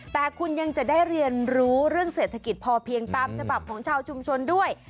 แต่คุณยังจะได้เรียนรู้เรื่องเศรษฐกิจพอเพียงตามฉบับของชาวชุมชนด้วย